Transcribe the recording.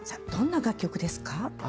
どんな楽曲ですか？